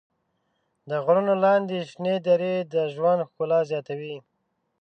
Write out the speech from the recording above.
د غرونو لاندې شنې درې د ژوند ښکلا زیاتوي.